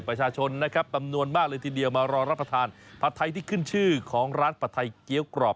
ประชาชนนะครับจำนวนมากเลยทีเดียวมารอรับประทานผัดไทยที่ขึ้นชื่อของร้านผัดไทยเกี้ยวกรอบ